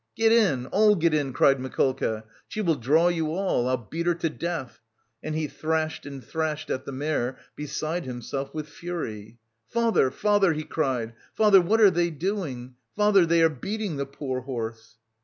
"Get in, all get in," cried Mikolka, "she will draw you all. I'll beat her to death!" And he thrashed and thrashed at the mare, beside himself with fury. "Father, father," he cried, "father, what are they doing? Father, they are beating the poor horse!"